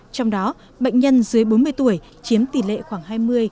trong đó bệnh nhân dưới bốn mươi tuổi chiếm tỷ lệ khoảng hai mươi hai mươi năm